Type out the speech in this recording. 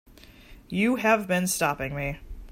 You have been stopping me.